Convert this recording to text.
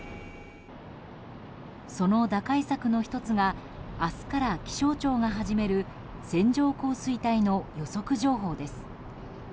その打開策の１つが明日から気象庁が始める線状降水帯の予測情報です。